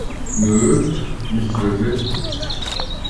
Nö, nicht wirklich.